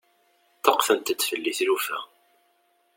Ṭṭuqqtent-d fell-i tlufa.